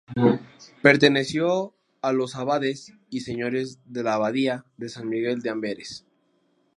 Perteneció a los abades y señores de la Abadía de San Miguel de Amberes.